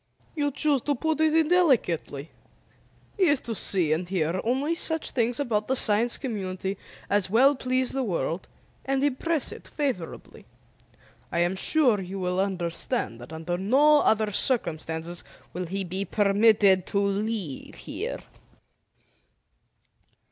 "You choose to put it indelicately. He is to see and hear only such things about the Science Community as will please the world and impress it favorably. I am sure you will understand that under no other circumstances will he be permitted to leave here."